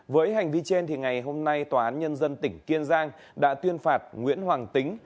với hành vi trên ngày hôm nay tòa án nhân dân tỉnh kiên giang đã tuyên phạt nguyễn hoàng tính